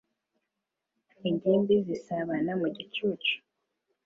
Ingimbi zisabana mu gicucu